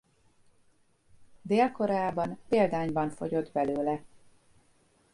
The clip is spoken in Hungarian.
Dél-Koreában példányban fogyott belőle.